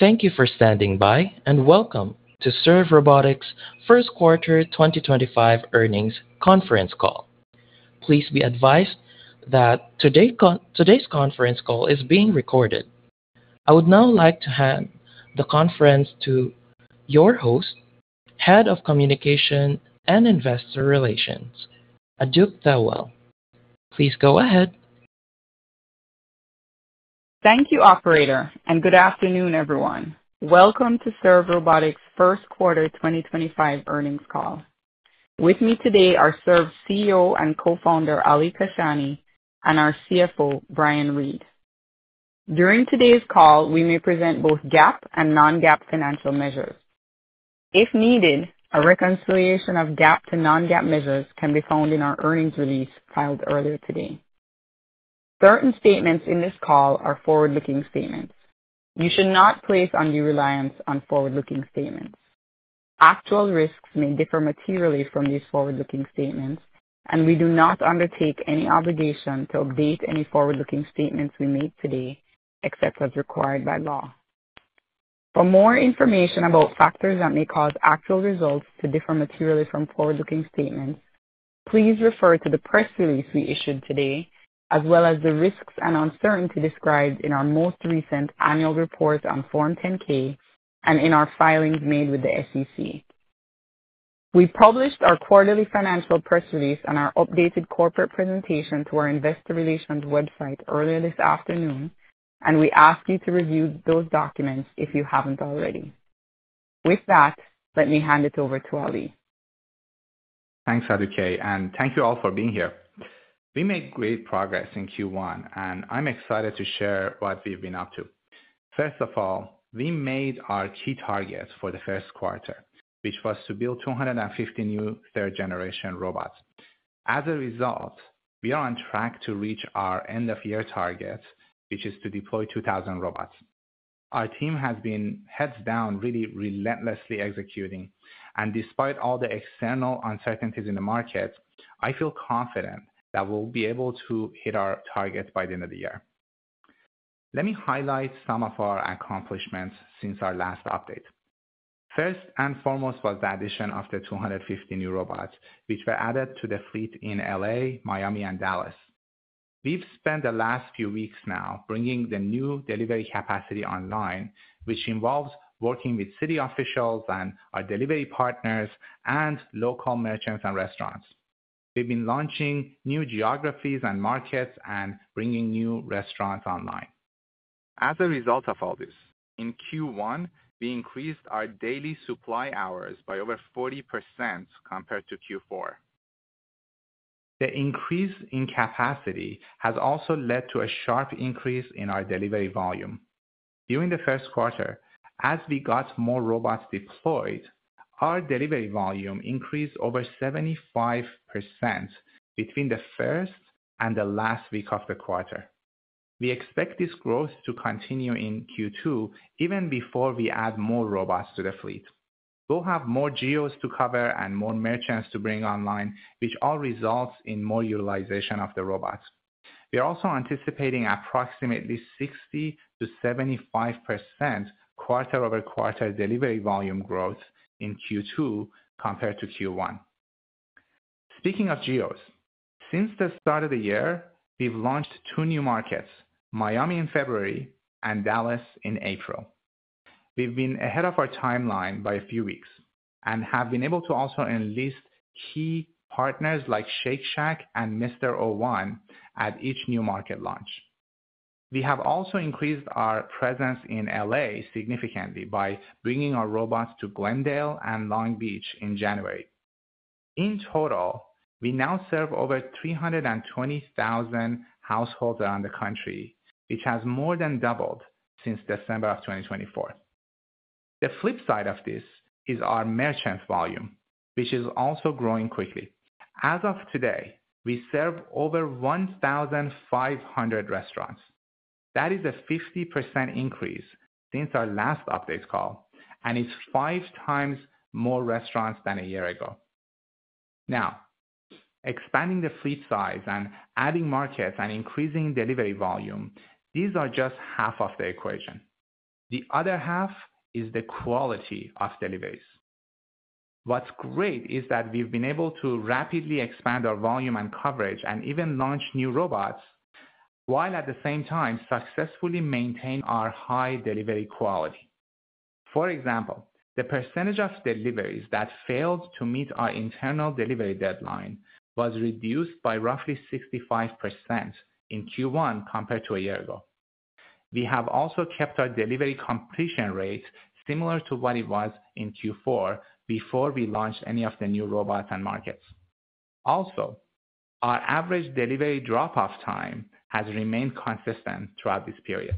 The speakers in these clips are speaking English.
Thank you for standing by and welcome to Serve Robotics' first quarter 2025 earnings conference call. Please be advised that today's conference call is being recorded. I would now like to hand the conference to your host, Head of Communication and Investor Relations, Aduke Thelwell. Please go ahead. Thank you, Operator, and good afternoon, everyone. Welcome to Serve Robotics' first quarter 2025 earnings call. With me today are Serve's CEO and co-founder, Ali Kashani, and our CFO, Brian Reed. During today's call, we may present both GAAP and non-GAAP financial measures. If needed, a reconciliation of GAAP to non-GAAP measures can be found in our earnings release filed earlier today. Certain statements in this call are forward-looking statements. You should not place undue reliance on forward-looking statements. Actual risks may differ materially from these forward-looking statements, and we do not undertake any obligation to update any forward-looking statements we make today except as required by law. For more information about factors that may cause actual results to differ materially from forward-looking statements, please refer to the press release we issued today, as well as the risks and uncertainty described in our most recent annual report on Form 10-K and in our filings made with the SEC. We published our quarterly financial press release and our updated corporate presentation to our investor relations website earlier this afternoon, and we ask you to review those documents if you haven't already. With that, let me hand it over to Ali. Thanks, Aduke, and thank you all for being here. We made great progress in Q1, and I'm excited to share what we've been up to. First of all, we made our key targets for the first quarter, which was to build 250 new third-generation robots. As a result, we are on track to reach our end-of-year target, which is to deploy 2,000 robots. Our team has been heads down, really relentlessly executing, and despite all the external uncertainties in the market, I feel confident that we'll be able to hit our target by the end of the year. Let me highlight some of our accomplishments since our last update. First and foremost was the addition of the 250 new robots, which were added to the fleet in Los Angeles, Miami, and Dallas. We've spent the last few weeks now bringing the new delivery capacity online, which involves working with city officials and our delivery partners and local merchants and restaurants. We've been launching new geographies and markets and bringing new restaurants online. As a result of all this, in Q1, we increased our daily supply hours by over 40% compared to Q4. The increase in capacity has also led to a sharp increase in our delivery volume. During the first quarter, as we got more robots deployed, our delivery volume increased over 75% between the first and the last week of the quarter. We expect this growth to continue in Q2 even before we add more robots to the fleet. We'll have more geos to cover and more merchants to bring online, which all results in more utilization of the robots. We are also anticipating approximately 60%-75% quarter-over-quarter delivery volume growth in Q2 compared to Q1. Speaking of geos, since the start of the year, we've launched two new markets, Miami in February and Dallas in April. We've been ahead of our timeline by a few weeks and have been able to also enlist key partners like Shake Shack and Mr. O1 at each new market launch. We have also increased our presence in Los Angeles significantly by bringing our robots to Glendale and Long Beach in January. In total, we now serve over 320,000 households around the country, which has more than doubled since December of 2024. The flip side of this is our merchant volume, which is also growing quickly. As of today, we serve over 1,500 restaurants. That is a 50% increase since our last update call, and it's five times more restaurants than a year ago. Now, expanding the fleet size and adding markets and increasing delivery volume, these are just half of the equation. The other half is the quality of deliveries. What's great is that we've been able to rapidly expand our volume and coverage and even launch new robots while at the same time successfully maintain our high delivery quality. For example, the percentage of deliveries that failed to meet our internal delivery deadline was reduced by roughly 65% in Q1 compared to a year ago. We have also kept our delivery completion rate similar to what it was in Q4 before we launched any of the new robots and markets. Also, our average delivery drop-off time has remained consistent throughout this period.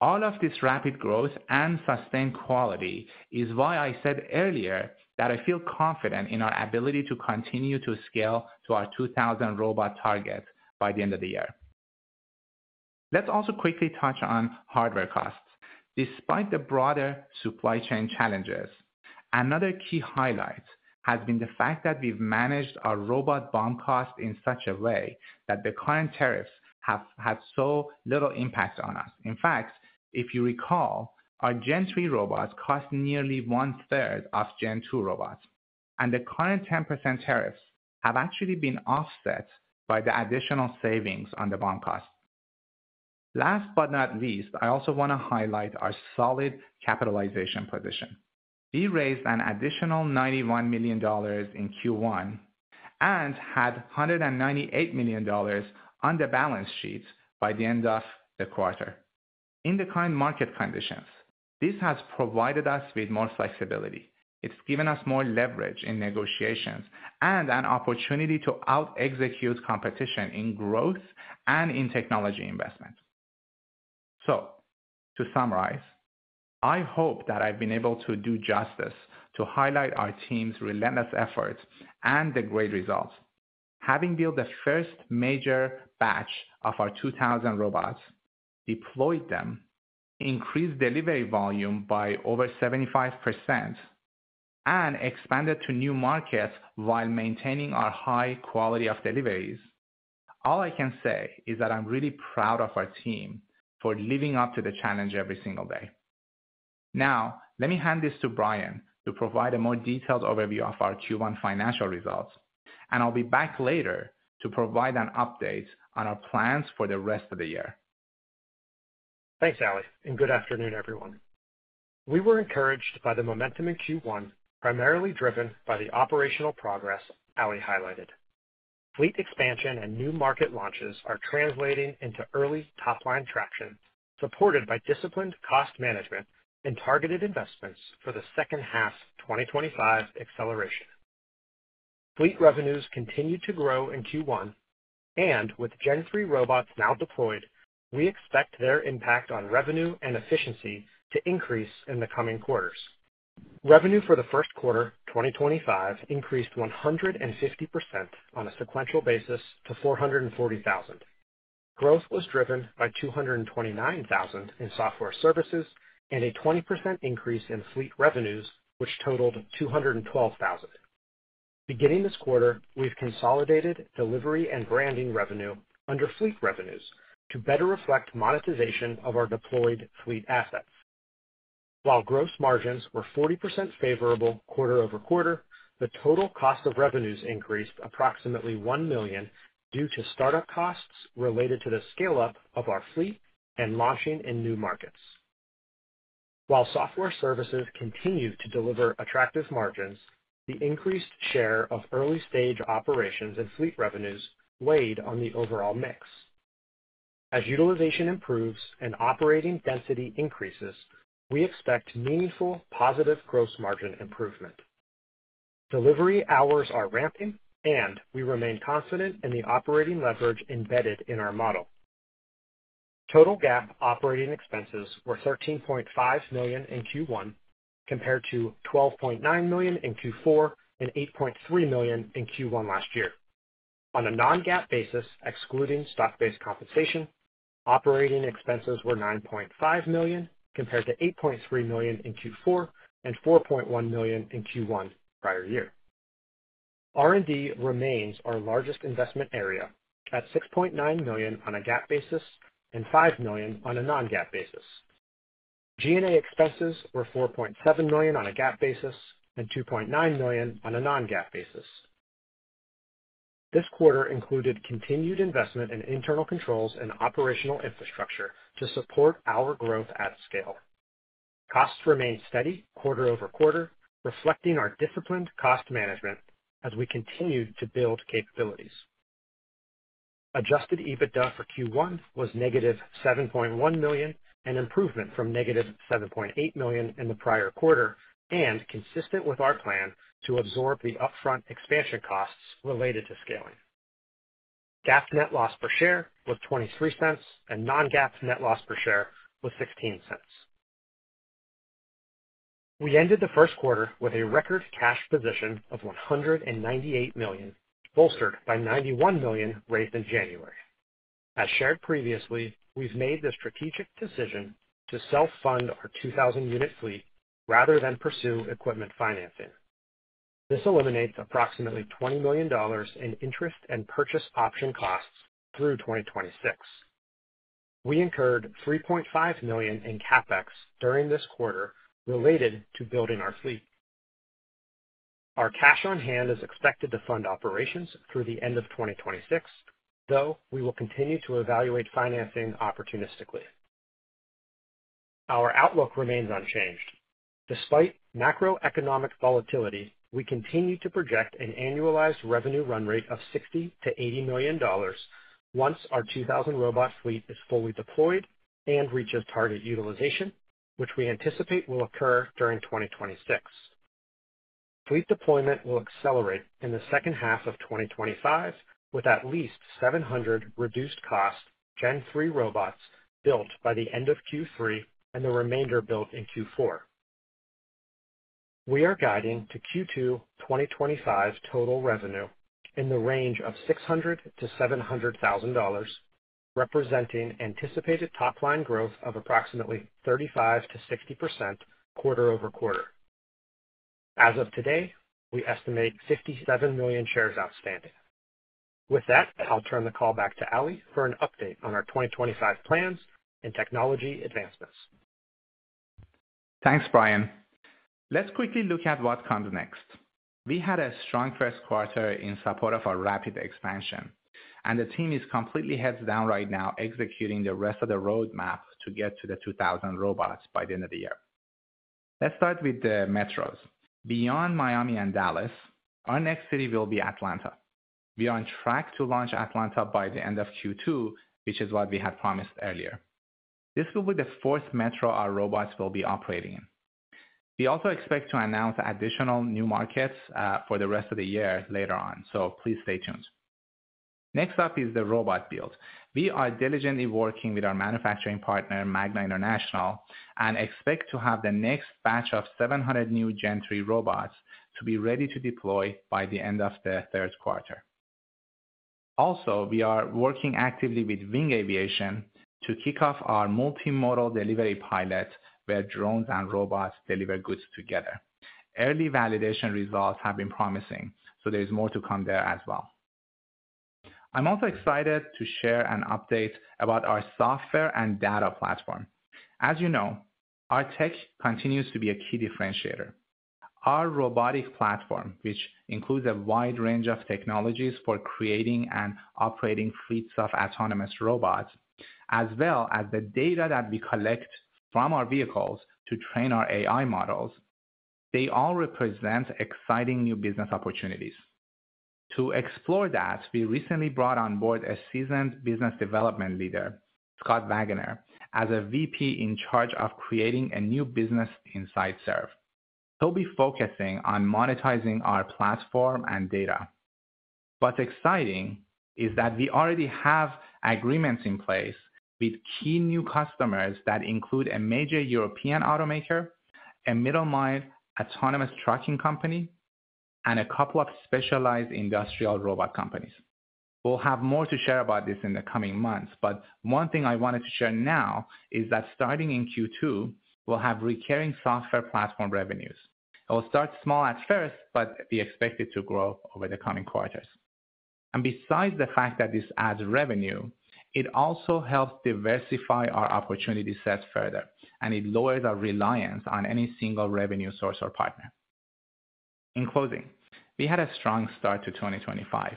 All of this rapid growth and sustained quality is why I said earlier that I feel confident in our ability to continue to scale to our 2,000 robot target by the end of the year. Let's also quickly touch on hardware costs. Despite the broader supply chain challenges, another key highlight has been the fact that we've managed our robot BOM costs in such a way that the current tariffs have had so little impact on us. In fact, if you recall, our Gen 3 robots cost nearly one-third of Gen 2 robots, and the current 10% tariffs have actually been offset by the additional savings on the BOM costs. Last but not least, I also want to highlight our solid capitalization position. We raised an additional $91 million in Q1 and had $198 million on the balance sheet by the end of the quarter. In the current market conditions, this has provided us with more flexibility. It's given us more leverage in negotiations and an opportunity to out-execute competition in growth and in technology investment. To summarize, I hope that I've been able to do justice to highlight our team's relentless efforts and the great results. Having built the first major batch of our 2,000 robots, deployed them, increased delivery volume by over 75%, and expanded to new markets while maintaining our high quality of deliveries, all I can say is that I'm really proud of our team for living up to the challenge every single day. Now, let me hand this to Brian to provide a more detailed overview of our Q1 financial results, and I'll be back later to provide an update on our plans for the rest of the year. Thanks, Ali, and good afternoon, everyone. We were encouraged by the momentum in Q1, primarily driven by the operational progress Ali highlighted. Fleet expansion and new market launches are translating into early top-line traction supported by disciplined cost management and targeted investments for the second half 2025 acceleration. Fleet revenues continue to grow in Q1, and with Gen 3 robots now deployed, we expect their impact on revenue and efficiency to increase in the coming quarters. Revenue for the first quarter 2025 increased 150% on a sequential basis to $440,000. Growth was driven by $229,000 in software services and a 20% increase in fleet revenues, which totaled $212,000. Beginning this quarter, we've consolidated delivery and branding revenue under fleet revenues to better reflect monetization of our deployed fleet assets. While gross margins were 40% favorable quarter over quarter, the total cost of revenues increased approximately $1 million due to startup costs related to the scale-up of our fleet and launching in new markets. While software services continued to deliver attractive margins, the increased share of early-stage operations and fleet revenues weighed on the overall mix. As utilization improves and operating density increases, we expect meaningful positive gross margin improvement. Delivery hours are ramping, and we remain confident in the operating leverage embedded in our model. Total GAAP operating expenses were $13.5 million in Q1 compared to $12.9 million in Q4 and $8.3 million in Q1 last year. On a non-GAAP basis, excluding stock-based compensation, operating expenses were $9.5 million compared to $8.3 million in Q4 and $4.1 million in Q1 prior year. R&D remains our largest investment area at $6.9 million on a GAAP basis and $5 million on a non-GAAP basis. G&A expenses were $4.7 million on a GAAP basis and $2.9 million on a non-GAAP basis. This quarter included continued investment in internal controls and operational infrastructure to support our growth at scale. Costs remained steady quarter over quarter, reflecting our disciplined cost management as we continued to build capabilities. Adjusted EBITDA for Q1 was -$7.1 million, an improvement from -$7.8 million in the prior quarter, and consistent with our plan to absorb the upfront expansion costs related to scaling. GAAP net loss per share was $0.23 and non-GAAP net loss per share was $0.16. We ended the first quarter with a record cash position of $198 million, bolstered by $91 million raised in January. As shared previously, we've made the strategic decision to self-fund our 2,000-unit fleet rather than pursue equipment financing. This eliminates approximately $20 million in interest and purchase option costs through 2026. We incurred $3.5 million in CapEx during this quarter related to building our fleet. Our cash on hand is expected to fund operations through the end of 2026, though we will continue to evaluate financing opportunistically. Our outlook remains unchanged. Despite macroeconomic volatility, we continue to project an annualized revenue run rate of $60 million-$80 million once our 2,000 robot fleet is fully deployed and reaches target utilization, which we anticipate will occur during 2026. Fleet deployment will accelerate in the second half of 2025 with at least 700 reduced-cost Gen 3 robots built by the end of Q3 and the remainder built in Q4. We are guiding to Q2 2025 total revenue in the range of $600,000-$700,000, representing anticipated top-line growth of approximately 35%-60% quarter over quarter. As of today, we estimate 57 million shares outstanding. With that, I'll turn the call back to Ali for an update on our 2025 plans and technology advancements. Thanks, Brian. Let's quickly look at what comes next. We had a strong first quarter in support of our rapid expansion, and the team is completely heads down right now executing the rest of the roadmap to get to the 2,000 robots by the end of the year. Let's start with the metros. Beyond Miami and Dallas, our next city will be Atlanta. We are on track to launch Atlanta by the end of Q2, which is what we had promised earlier. This will be the fourth metro our robots will be operating in. We also expect to announce additional new markets for the rest of the year later on, so please stay tuned. Next up is the robot build. We are diligently working with our manufacturing partner, Magna International, and expect to have the next batch of 700 new Gen 3 robots to be ready to deploy by the end of the third quarter. Also, we are working actively with Wing Aviation to kick off our multimodal delivery pilot where drones and robots deliver goods together. Early validation results have been promising, so there is more to come there as well. I'm also excited to share an update about our software and data platform. As you know, our tech continues to be a key differentiator. Our robotic platform, which includes a wide range of technologies for creating and operating fleets of autonomous robots, as well as the data that we collect from our vehicles to train our AI models, all represent exciting new business opportunities. To explore that, we recently brought on board a seasoned business development leader, Scott Wagner, as a VP in charge of creating a new business inside Serve. He'll be focusing on monetizing our platform and data. What's exciting is that we already have agreements in place with key new customers that include a major European automaker, a middle-minded autonomous trucking company, and a couple of specialized industrial robot companies. We'll have more to share about this in the coming months. One thing I wanted to share now is that starting in Q2, we'll have recurring software platform revenues. It will start small at first, but we expect it to grow over the coming quarters. Besides the fact that this adds revenue, it also helps diversify our opportunity set further, and it lowers our reliance on any single revenue source or partner. In closing, we had a strong start to 2025.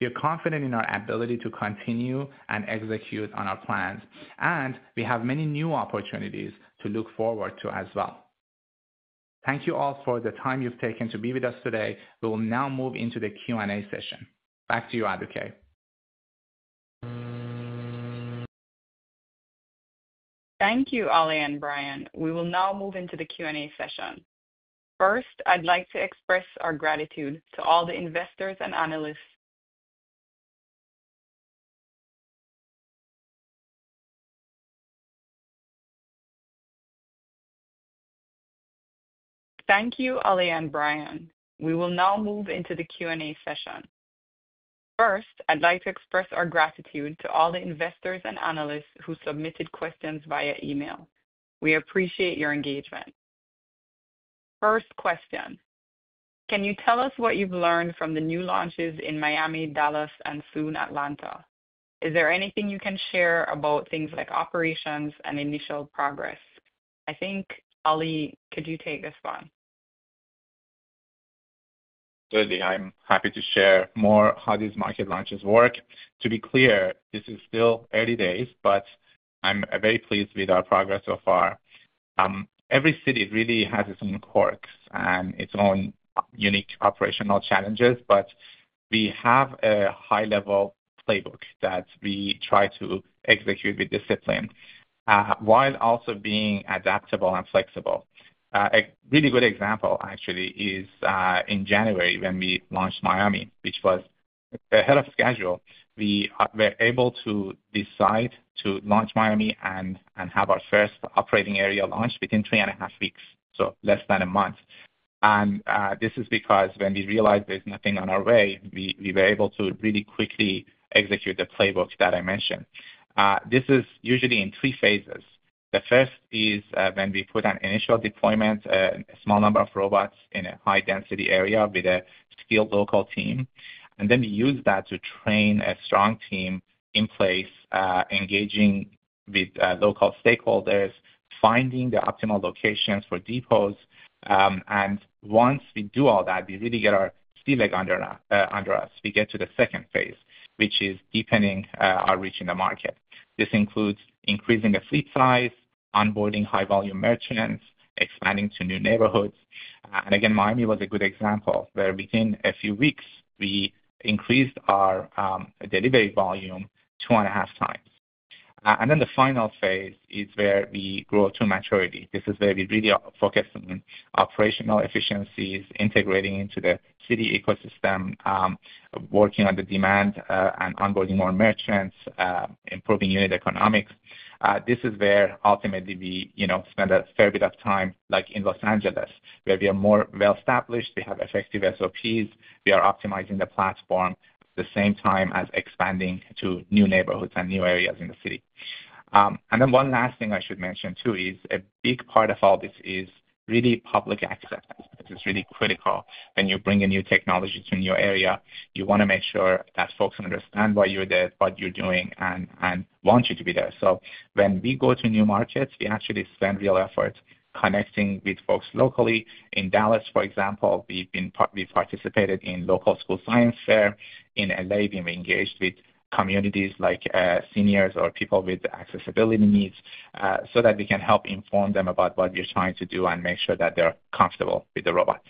We are confident in our ability to continue and execute on our plans, and we have many new opportunities to look forward to as well. Thank you all for the time you've taken to be with us today. We will now move into the Q&A session. Back to you, Aduke. Thank you, Ali and Brian. We will now move into the Q&A session. First, I'd like to express our gratitude to all the investors and analysts who submitted questions via email. We appreciate your engagement. First question, can you tell us what you've learned from the new launches in Miami, Dallas, and soon Atlanta? Is there anything you can share about things like operations and initial progress? I think, Ali, could you take this one? Certainly, I'm happy to share more how these market launches work. To be clear, this is still early days, but I'm very pleased with our progress so far. Every city really has its own quirks and its own unique operational challenges, but we have a high-level playbook that we try to execute with discipline while also being adaptable and flexible. A really good example, actually, is in January when we launched Miami, which was ahead of schedule. We were able to decide to launch Miami and have our first operating area launch within three and a half weeks, so less than a month. This is because when we realized there's nothing on our way, we were able to really quickly execute the playbook that I mentioned. This is usually in three phases. The first is when we put an initial deployment, a small number of robots in a high-density area with a skilled local team, and then we use that to train a strong team in place, engaging with local stakeholders, finding the optimal locations for depots. Once we do all that, we really get our sea leg under us. We get to the second phase, which is deepening our reach in the market. This includes increasing the fleet size, onboarding high-volume merchants, expanding to new neighborhoods. Miami was a good example where within a few weeks, we increased our delivery volume two and a half times. The final phase is where we grow to maturity. This is where we really focus on operational efficiencies, integrating into the city ecosystem, working on the demand and onboarding more merchants, improving unit economics. This is where ultimately we spend a fair bit of time, like in Los Angeles, where we are more well-established. We have effective SOPs. We are optimizing the platform at the same time as expanding to new neighborhoods and new areas in the city. One last thing I should mention, too, is a big part of all this is really public acceptance. This is really critical. When you bring a new technology to a new area, you want to make sure that folks understand why you're there, what you're doing, and want you to be there. When we go to new markets, we actually spend real effort connecting with folks locally. In Dallas, for example, we've participated in local school science fair. In Los Angeles, we've engaged with communities like seniors or people with accessibility needs so that we can help inform them about what we're trying to do and make sure that they're comfortable with the robots.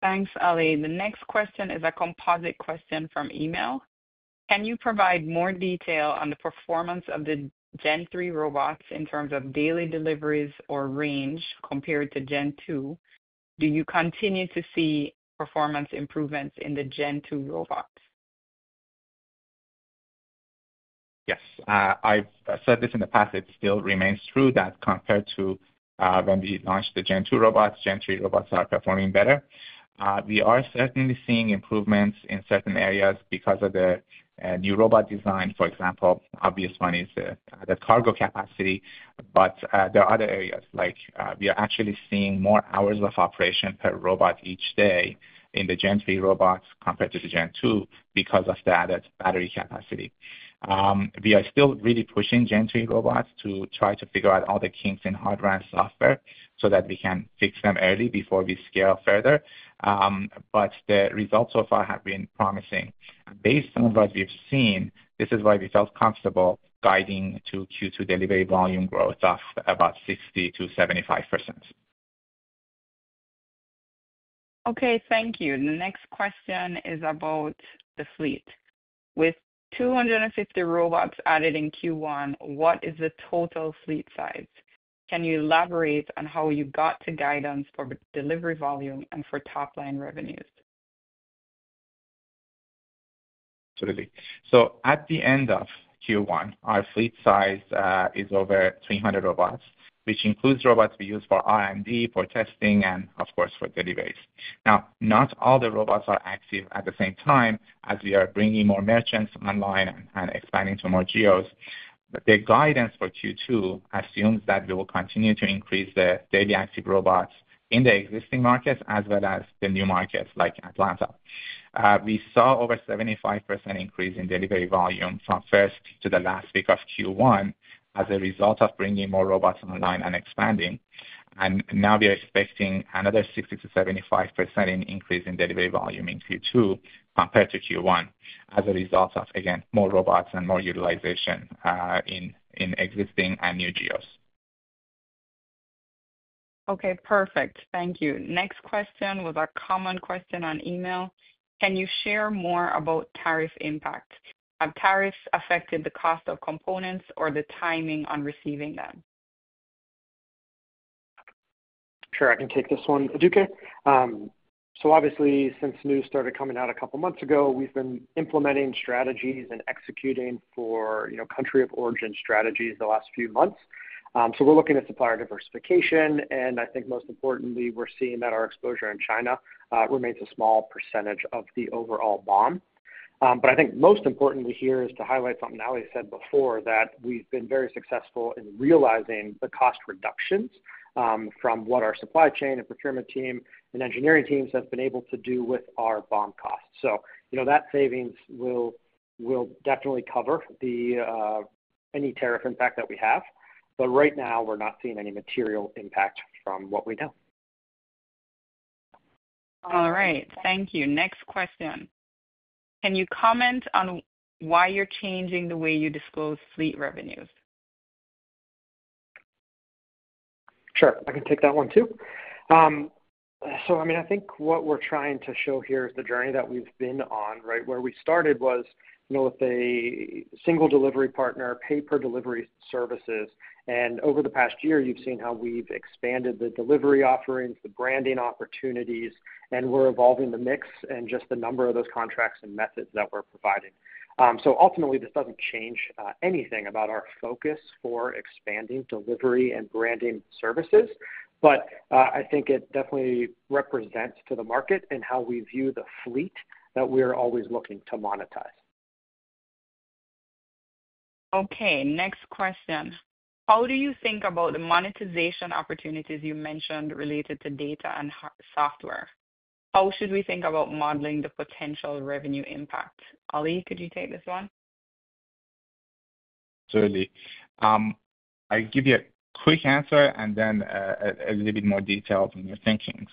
Thanks, Ali. The next question is a composite question from email. Can you provide more detail on the performance of the Gen 3 robots in terms of daily deliveries or range compared to Gen 2? Do you continue to see performance improvements in the Gen 2 robots? Yes. I've said this in the past. It still remains true that compared to when we launched the Gen 2 robots, Gen 3 robots are performing better. We are certainly seeing improvements in certain areas because of the new robot design. For example, the obvious one is the cargo capacity, but there are other areas like we are actually seeing more hours of operation per robot each day in the Gen 3 robots compared to the Gen 2 because of the added battery capacity. We are still really pushing Gen 3 robots to try to figure out all the kinks in hardware and software so that we can fix them early before we scale further. The results so far have been promising. Based on what we've seen, this is why we felt comfortable guiding to Q2 delivery volume growth of about 60%-75%. Okay, thank you. The next question is about the fleet. With 250 robots added in Q1, what is the total fleet size? Can you elaborate on how you got to guidance for delivery volume and for top-line revenues? Absolutely. At the end of Q1, our fleet size is over 300 robots, which includes robots we use for R&D, for testing, and of course, for deliveries. Now, not all the robots are active at the same time as we are bringing more merchants online and expanding to more geos. The guidance for Q2 assumes that we will continue to increase the daily active robots in the existing markets as well as the new markets like Atlanta. We saw over a 75% increase in delivery volume from first to the last week of Q1 as a result of bringing more robots online and expanding. We are expecting another 60%-75% increase in delivery volume in Q2 compared to Q1 as a result of, again, more robots and more utilization in existing and new geos. Okay, perfect. Thank you. Next question was a common question on email. Can you share more about tariff impact? Have tariffs affected the cost of components or the timing on receiving them? Sure, I can take this one, Aduke. Obviously, since news started coming out a couple of months ago, we've been implementing strategies and executing for country of origin strategies the last few months. We're looking at supplier diversification. I think most importantly, we're seeing that our exposure in China remains a small percentage of the overall BOM. I think most importantly here is to highlight something Ali said before, that we've been very successful in realizing the cost reductions from what our supply chain and procurement team and engineering teams have been able to do with our BOM costs. That savings will definitely cover any tariff impact that we have. Right now, we're not seeing any material impact from what we know. All right, thank you. Next question. Can you comment on why you're changing the way you disclose fleet revenues? Sure, I can take that one too. I mean, I think what we're trying to show here is the journey that we've been on, right? Where we started was with a single delivery partner, pay-per-delivery services. Over the past year, you've seen how we've expanded the delivery offerings, the branding opportunities, and we're evolving the mix and just the number of those contracts and methods that we're providing. Ultimately, this doesn't change anything about our focus for expanding delivery and branding services. I think it definitely represents to the market and how we view the fleet that we are always looking to monetize. Okay, next question. How do you think about the monetization opportunities you mentioned related to data and software? How should we think about modeling the potential revenue impact? Ali, could you take this one? Certainly. I'll give you a quick answer and then a little bit more detail on your thinking.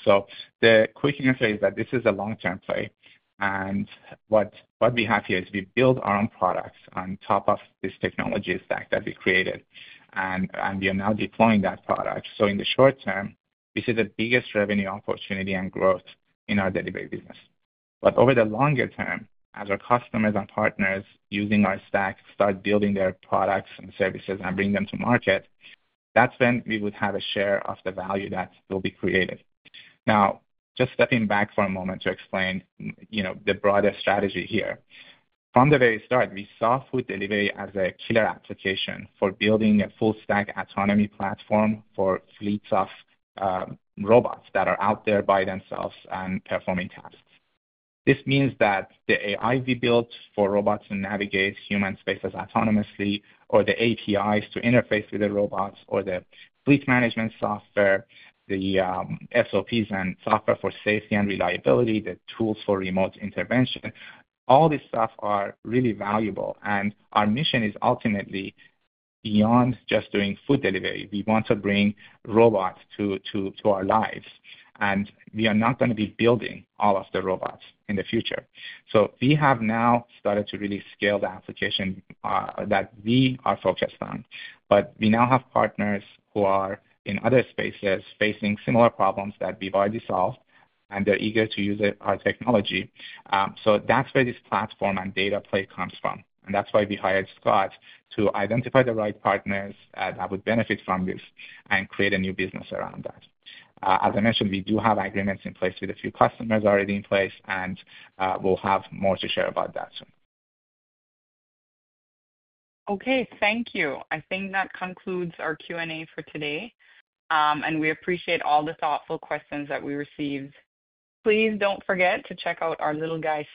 The quick answer is that this is a long-term play. What we have here is we build our own products on top of this technology stack that we created, and we are now deploying that product. In the short term, this is the biggest revenue opportunity and growth in our delivery business. Over the longer term, as our customers and partners using our stack start building their products and services and bringing them to market, that's when we would have a share of the value that will be created. Now, just stepping back for a moment to explain the broader strategy here. From the very start, we saw food delivery as a killer application for building a full-stack autonomy platform for fleets of robots that are out there by themselves and performing tasks. This means that the AI we built for robots to navigate human spaces autonomously, or the APIs to interface with the robots, or the fleet management software, the SOPs and software for safety and reliability, the tools for remote intervention, all this stuff is really valuable. Our mission is ultimately beyond just doing food delivery. We want to bring robots to our lives. We are not going to be building all of the robots in the future. We have now started to really scale the application that we are focused on. We now have partners who are in other spaces facing similar problems that we've already solved, and they're eager to use our technology. That's where this platform and data play comes from. That's why we hired Scott to identify the right partners that would benefit from this and create a new business around that. As I mentioned, we do have agreements in place with a few customers already, and we'll have more to share about that soon. Okay, thank you. I think that concludes our Q&A for today. We appreciate all the thoughtful questions that we received. Please do not forget to check out our little guy,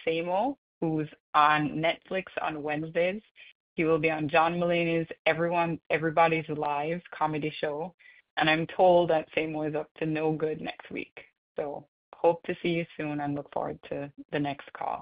Seymour, who is on Netflix on Wednesdays. He will be on John Mulaney's Everybody's Live comedy show. I am told that Seymour is up to no good next week. Hope to see you soon and look forward to the next call.